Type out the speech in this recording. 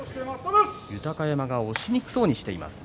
豊山は押しにくそうにしています。